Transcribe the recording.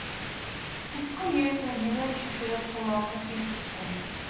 Typically used in human computed tomography systems.